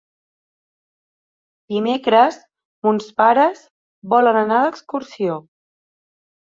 Dimecres mons pares volen anar d'excursió.